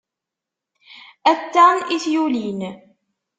Aṭṭan i t-yulin.